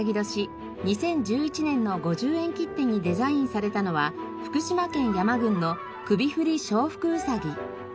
２０１１年の５０円切手にデザインされたのは福島県耶麻郡の首振り招福卯。